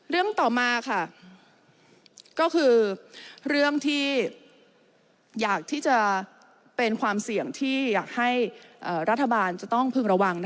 เรื่องต่อมาค่ะก็คือเรื่องที่อยากที่จะเป็นความเสี่ยงที่อยากให้รัฐบาลจะต้องพึงระวัง